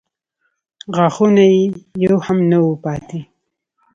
غاښونه یې يو هم نه و پاتې.